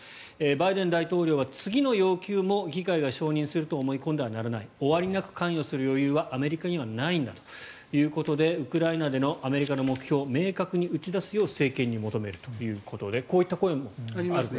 バイデン大統領は次の要求も議会が承認すると思い込んではならない終わりなく関与する余裕はアメリカにはないんだということでウクライナでのアメリカの目標を明確に打ち出すよう政権に求めるということでこういった声もあると。